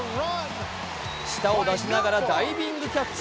舌を出しながらダイビングキャッチ。